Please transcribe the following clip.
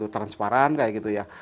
transparan kayak gitu ya